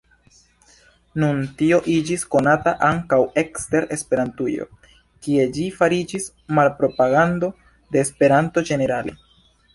Nun tio iĝis konata ankaŭ ekster Esperantujo, kie ĝi fariĝis malpropagando de Esperanto ĝenerale.